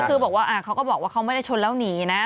คือบอกว่าเขาก็บอกว่าเขาไม่ได้ชนแล้วหนีนะ